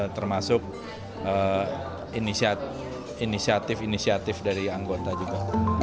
termasuk inisiatif inisiatif dari anggota juga